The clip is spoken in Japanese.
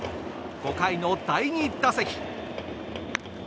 ５回の第２打席。